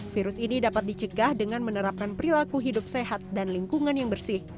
virus ini dapat dicegah dengan menerapkan perilaku hidup sehat dan lingkungan yang bersih